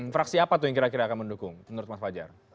fraksi apa tuh yang kira kira akan mendukung menurut mas fajar